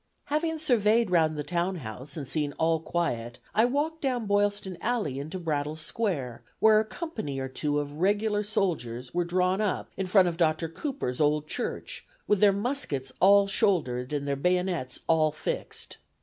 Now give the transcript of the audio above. ... Having surveyed round the town house, and seeing all quiet, I walked down Boylston Alley into Brattle Square, where a company or two of regular soldiers were drawn up in front of Dr. Cooper's old church, with their muskets all shouldered, and their bayonets all fixed.